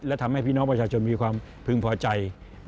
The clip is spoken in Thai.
และทำให้พี่น้องประชาชนมีความพึงพอใจ